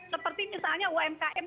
seperti misalnya umkm